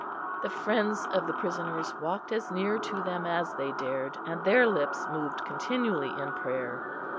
The friends of the prisoners walked as near to them as they dared, and their lips moved continually in prayer.